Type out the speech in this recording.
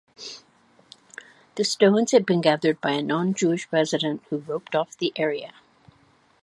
The stones had been gathered by a non-Jewish resident who roped off the area.